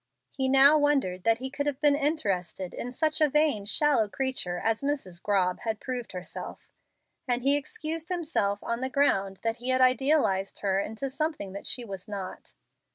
He now wondered that he could have been interested in such a vain, shallow creature as Mrs. Grobb had proved herself, and he excused himself on the ground that he had idealized her into something that she was not.